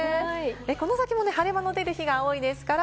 この先も晴れ間の出る日が多いですから。